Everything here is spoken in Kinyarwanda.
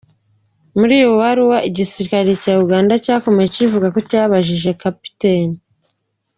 Muri iyo baruwa, igisirikare cya Uganda cyakomeje kivuga ko cyabajije Capt.